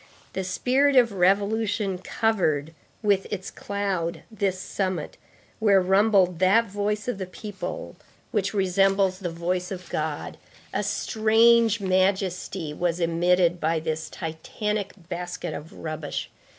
The spirit of revolution covered with its cloud this summit where rumbled that voice of the people which resembles the voice of God; a strange majesty was emitted by this titanic basket of rubbish.